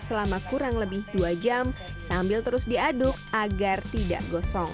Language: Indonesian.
selama kurang lebih dua jam sambil terus diaduk agar tidak gosong